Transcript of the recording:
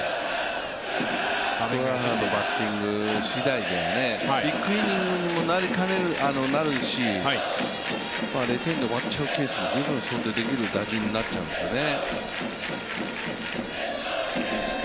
桑原のバッティングしだいではビッグイニングにもなるし０点で終わっちゃうケースも十分想定できる打順になっちゃうんですよね。